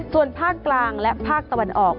ส่วนภาคกลางและภาคตะวันออก